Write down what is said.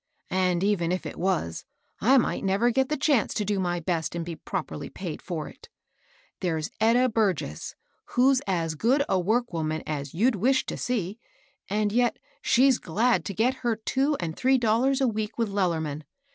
And even if it was, I might never get the chance to do my best, and be properly paid for it. There's Etta Burgess, who's as good a work woman as you'd wish to see ; and yet she's glad to get her two and three dollars a week with Lellerman.